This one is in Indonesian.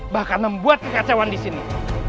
bahkan membuat kekacauan disini